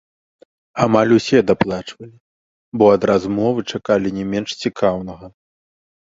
Амаль усе даплачвалі, бо ад размовы чакалі не менш цікаўнага.